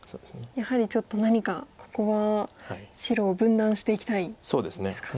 やはりちょっと何かここは白を分断していきたいですか。